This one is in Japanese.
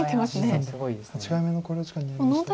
三段８回目の考慮時間に入りました。